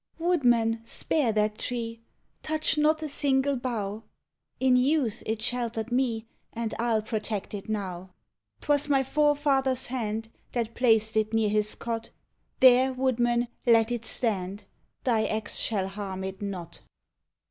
Woouman, spare that tree! Toueh not a single bough! In youth it sheltered me, And I '11 protect it now. 'T was inv forefathers hand That placed it near his cot; There, woodman, let it stand. Thy axe shall harm it not!